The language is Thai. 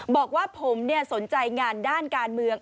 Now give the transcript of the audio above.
บอกว่าผมสนใจงานด้านการเมือง